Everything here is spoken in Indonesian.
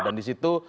dan di situ